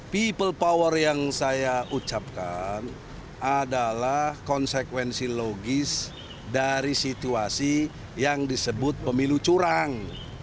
people power yang saya ucapkan adalah konsekuensi logis dari situasi yang disebut pemilu curang